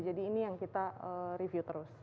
jadi ini yang kita review terus